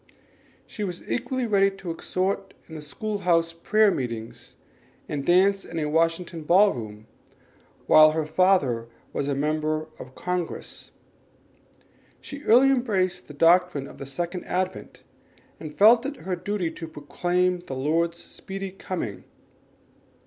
She was equally ready to exhort in school house prayer meetings and dance in a Washington ball room, while her father was a member of Congress. She early embraced the doctrine of the Second Advent, and felt it her duty to proclaim the Lord's speedy coming.